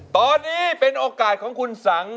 ตอนนี้เป็นโอกาสของคุณสัง